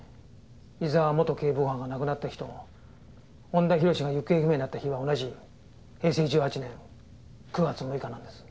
伊沢元警部補が亡くなった日と恩田浩が行方不明になった日は同じ平成１８年９月６日なんです。